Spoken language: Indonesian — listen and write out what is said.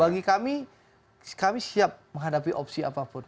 bagi kami kami siap menghadapi opsi apapun